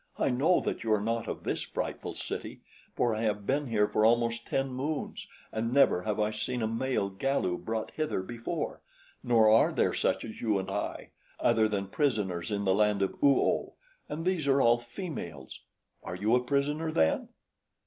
I know that you are not of this frightful city, for I have been here for almost ten moons, and never have I seen a male Galu brought hither before, nor are there such as you and I, other than prisoners in the land of Oo oh, and these are all females. Are you a prisoner, then?"